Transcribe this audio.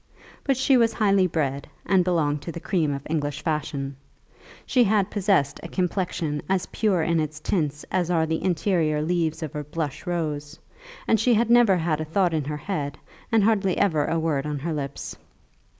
But she was highly bred, and belonged to the cream of English fashion; she had possessed a complexion as pure in its tints as are the interior leaves of a blush rose, and she had never had a thought in her head, and hardly ever a word on her lips.